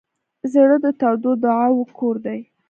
زړه د تودو دعاوو کور دی.